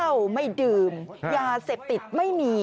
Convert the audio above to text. เล่าไม่ดื่มยาเสพจิตไม่มี